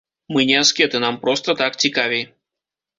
Мы не аскеты, нам проста так цікавей.